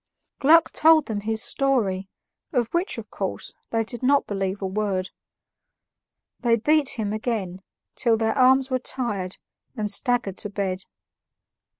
Gluck told them his story, of which, of course, they did not believe a word. They beat him again, till their arms were tired, and staggered to bed.